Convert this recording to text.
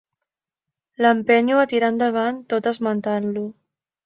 L'empenyo a tirar endavant tot esmentant-lo.